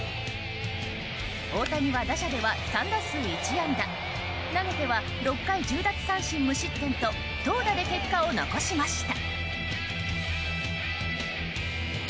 大谷は打者では３打数１安打投げては６回１０奪三振無失点と投打で結果を残しました。